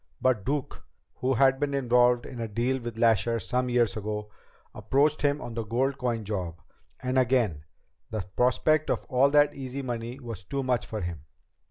But Duke, who had been involved in a deal with Lasher some years ago, approached him on the gold coin job. And again, the prospect of all that easy money was too much for him."